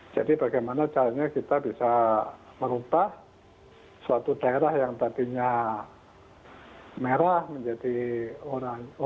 jadi bagaimana caranya kita bisa merupakan suatu daerah yang tadinya merah menjadi orange